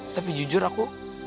tapi jujur aku